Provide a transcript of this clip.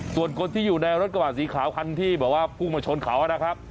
ส่วนคนที่อยู่ในรถกระบาดสีขาวคันที่แบบว่าพุ่งมาชนเขานะครับ